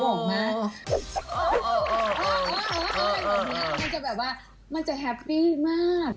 มากมายออกมาที่ไหนว่ามันจะแฮปปี้มาก